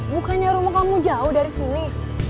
bukannya rumah kamu jauh dari sini